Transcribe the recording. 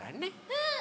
うん！